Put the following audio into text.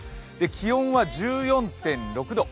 気温は１４．６度。